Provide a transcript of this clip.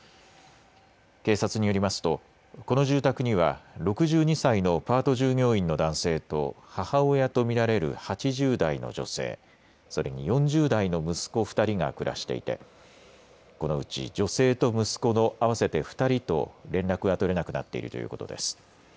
警察によりますとこの住宅には６２歳のパート従業員の男性と母親と見られる８０代の女性、それに４０代の息子２人が暮らしていてこのうち女性と息子の合わせて２人と連絡が取れなくなっているということです。